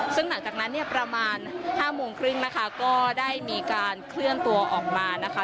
ซึ่งหลังจากนั้นเนี่ยประมาณ๕โมงครึ่งนะคะก็ได้มีการเคลื่อนตัวออกมานะคะ